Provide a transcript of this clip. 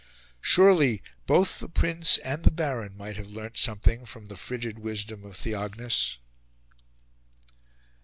Surely, both the Prince and the Baron might have learnt something from the frigid wisdom of Theognis.